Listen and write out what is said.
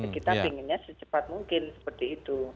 kita pinginnya secepat mungkin seperti itu